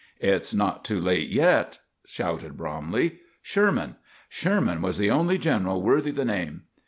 "It's not too late yet," shouted Bromley. "Sherman! Sherman was the only general worthy the name."